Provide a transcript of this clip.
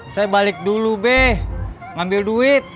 saya balik dulu deh ngambil duit